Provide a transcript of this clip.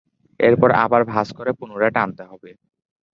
এরপর আবার ভাঁজ করে পুনরায় টানতে হবে।